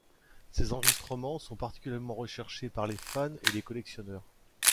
Ces enregistrements sont particulièrement recherchés par les fans et les collectionneurs.